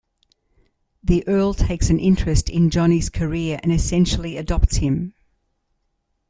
The earl takes an interest in Johnny's career and essentially adopts him.